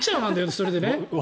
それでね。